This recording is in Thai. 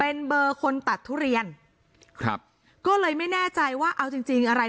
เป็นเบอร์คนตัดทุเรียนครับก็เลยไม่แน่ใจว่าเอาจริงจริงอะไร